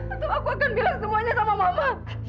itu aku akan bilang semuanya sama mama